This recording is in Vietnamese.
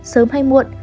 sớm hay muộn